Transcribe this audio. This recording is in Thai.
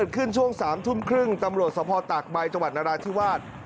ที่เกิดขึ้นช่วง๓ทุ่มครึ่งตำรวจสะพอด์ตากใบจังหวัดนาราธิวาธิ์